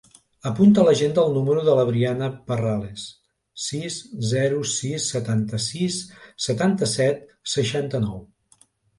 Apunta a l'agenda el número de la Briana Parrales: sis, zero, sis, setanta-sis, setanta-set, seixanta-nou.